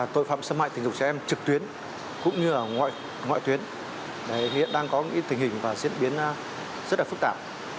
tội phạm xâm hại tình dục trẻ em trực tuyến cũng như ở ngoại tuyến hiện đang có những tình hình và diễn biến rất là phức tạp